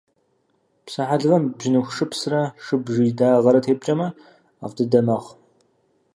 Псыхьэлывэм бжьыныху шыпсрэ шыбжий дагъэрэ тепкӏэжмэ, ӏэфӏ дыдэ мэхъу.